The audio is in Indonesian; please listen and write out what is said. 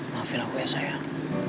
maafin aku ya sayang